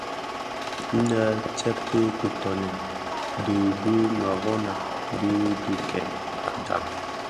Nnë tsèb ki kitöňèn dhi bi mërōňa di dhi kè gan.